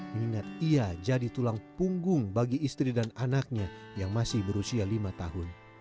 minat ia jadi tulang punggung bagi istri dan anaknya yang masih berusia lima tahun